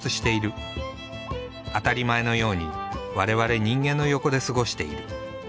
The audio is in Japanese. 当たり前のように我々人間の横で過ごしている。